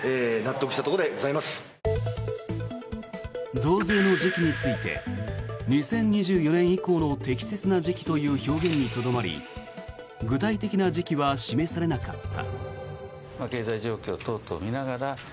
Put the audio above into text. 増税の時期について２０２４年以降の適切な時期という表現にとどまり具体的な時期は示されなかった。